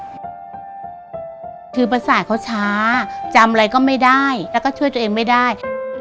คือประสาทเขาช้าจำอะไรก็ไม่ได้แล้วก็ช่วยตัวเองไม่ได้